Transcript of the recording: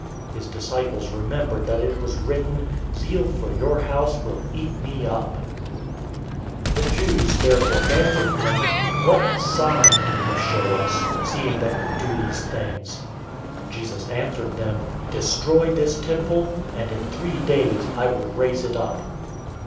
002:017 His disciples remembered that it was written, "Zeal for your house will eat me up."{Psalm 69:9} 002:018 The Jews therefore answered him, "What sign do you show us, seeing that you do these things?" 002:019 Jesus answered them, "Destroy this temple, and in three days I will raise it up."